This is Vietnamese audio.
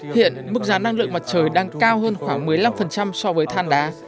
hiện mức giá năng lượng mặt trời đang cao hơn khoảng một mươi năm so với than đá